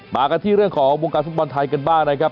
มากันที่เรื่องของวงการฟุตบอลไทยกันบ้างนะครับ